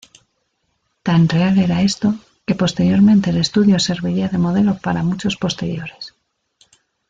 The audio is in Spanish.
Tan real era esto, que posteriormente el estudio serviría de modelo para muchos posteriores.